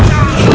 kau akan dihukum